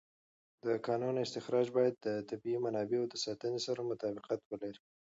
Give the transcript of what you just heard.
د کانونو استخراج باید د طبیعي منابعو د ساتنې سره مطابقت ولري.